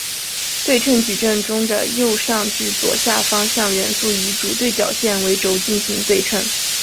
对称矩阵中的右上至左下方向元素以主对角线为轴进行对称。